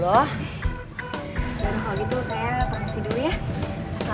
bukan main main biar sobri sama dede pisah